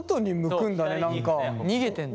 逃げてんだ。